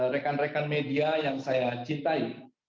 rekan rekan media yang saya cintai